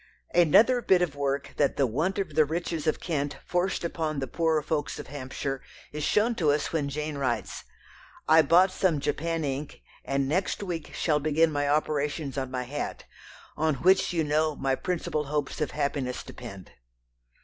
Another bit of work that the want of the riches of Kent forced upon the poorer folks of Hampshire is shown to us when Jane writes: "I bought some Japan ink and next week shall begin my operations on my hat, on which you know my principal hopes of happiness depend."